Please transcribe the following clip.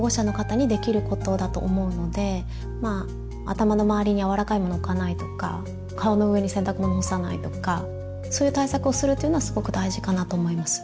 頭の周りにやわらかいものを置かないとか顔の上に洗濯物を干さないとかそういう対策をするというのはすごく大事かなと思います。